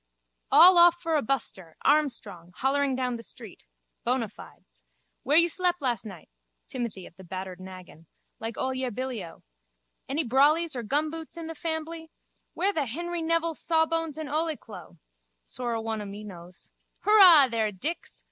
_ All off for a buster, armstrong, hollering down the street. Bonafides. Where you slep las nigh? Timothy of the battered naggin. Like ole Billyo. Any brollies or gumboots in the fambly? Where the Henry Nevil's sawbones and ole clo? Sorra one o' me knows. Hurrah there, Dix!